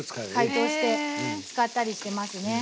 解凍して使ったりしてますね。